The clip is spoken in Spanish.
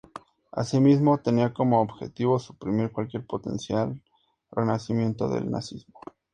Asimismo, tenía como objetivo suprimir cualquier potencial renacimiento del Nazismo.